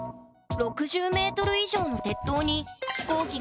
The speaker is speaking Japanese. ６０ｍ以上の鉄塔になるほど。